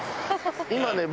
今ね